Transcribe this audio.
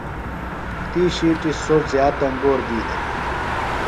تی ݜیٹیۡ سوۡ زِیات انگور دی دےۡ۔